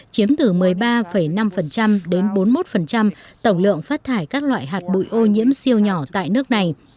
chiếm từ một mươi ba năm đến bốn mươi một tổng lượng phát thải các loại hạt bụi ô nhiễm siêu nhỏ tại nước này